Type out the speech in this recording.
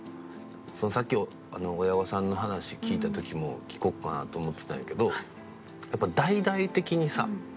さっき親御さんの話聞いた時も聞こうかなと思ってたんやけどやっぱり大々的にさ